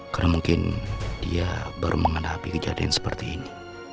karena mungkin dia baru menghadapi kejadian seperti ini